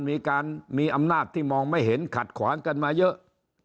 มีการมีอำนาจที่มองไม่เห็นขัดขวางกันมาเยอะ